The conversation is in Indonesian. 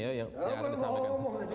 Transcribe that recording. saya tetap datang dengan ini ya